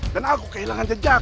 dan aku kehilangan jejak